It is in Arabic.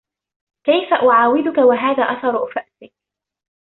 كيف أعاودك و هذا أثر فأسك.